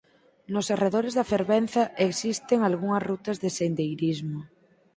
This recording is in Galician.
Nos arredores da fervenza existen algunha rutas de sendeirismo.